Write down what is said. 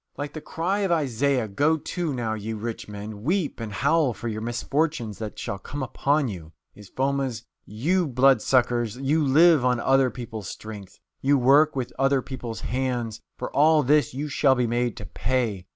Like the cry of Isaiah, "Go to, now, ye rich men, weep and howl for your misfortunes that shall come upon you," is Foma's: "You blood suckers! You live on other people's strength; you work with other people's hands! For all this you shall be made to pay!